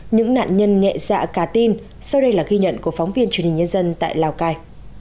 những nạn nhân nhẹ dạ cả tin sau đây là ghi nhận của phóng viên truyền hình nhân dân tại lào cai